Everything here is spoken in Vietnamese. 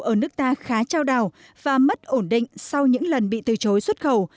ở nước ta khá trao đảo và mất ổn định sau những lần bị từ chối xuất khẩu